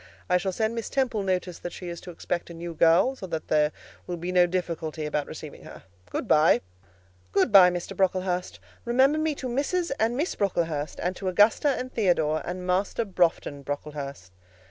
I shall send Miss Temple notice that she is to expect a new girl, so that there will be no difficulty about receiving her. Good bye." "Good bye, Mr. Brocklehurst; remember me to Mrs. and Miss Brocklehurst, and to Augusta and Theodore, and Master Broughton Brocklehurst."